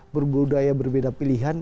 budaya berbeda pilihan